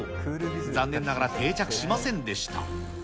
残念ながら、定着しませんでした。